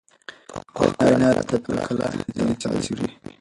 په حق وېنا راته تکله ځينې داسې ګوري